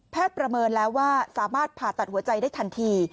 ประเมินแล้วว่าสามารถผ่าตัดหัวใจได้ทันที